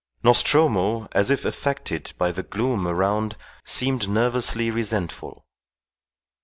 Nostromo, as if affected by the gloom around, seemed nervously resentful.